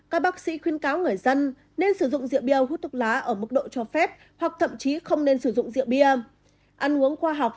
các bác sĩ khuyên cáo người dân nên sử dụng rượu bia hút thuốc lá ở mức độ cho phép